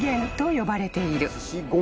呼ばれている］